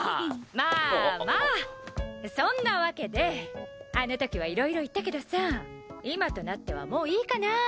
まあまあそんなわけであの時はいろいろ言ったけどさ今となってはもういいかなって。